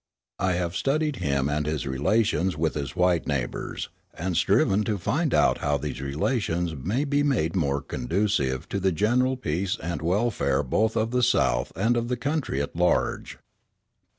I have studied him and his relations with his white neighbours, and striven to find how these relations may be made more conducive to the general peace and welfare both of the South and of the country at large.